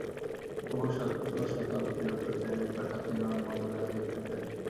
বহু শত শতাব্দীর অত্যাচারে প্রাসাদ-নির্মাণ বন্ধ রাখিতে হইয়াছিল।